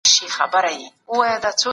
بزمي کندهارى الهي کندهارى